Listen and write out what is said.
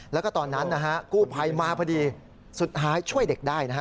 แล้วก็ตอนนั้นกู้ไพมาพอดีสุดท้ายช่วยเด็กได้